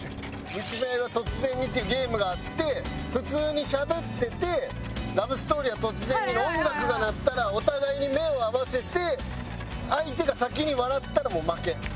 「見つめ合いは突然に」っていうゲームがあって普通にしゃべってて『ラブ・ストーリーは突然に』の音楽が鳴ったらお互いに目を合わせて相手が先に笑ったら負け。